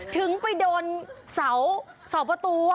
ถึงไปโดนเสาประตู